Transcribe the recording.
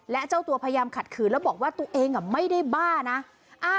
และเจ้าตัวพยายามขัดขืนแล้วบอกว่าตัวเองไม่ได้บ้านะ